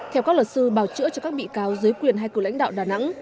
theo các luật sư bảo chữa cho các bị cáo dưới quyền hai cựu lãnh đạo đà nẵng